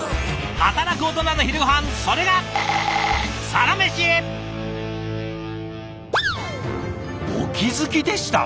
働くオトナの昼ごはんそれがお気付きでした？